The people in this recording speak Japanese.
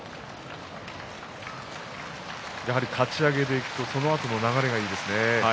かち上げでいくとそのあとの流れがいいですね。